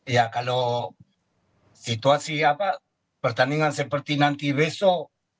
ya kalau situasi pertandingan seperti nanti besok